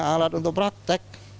alat untuk praktek